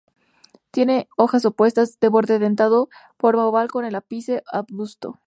Tiene hojas opuestas, de borde dentado, forma oval con el ápice obtuso.